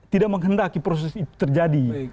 tidak menghendaki proses itu terjadi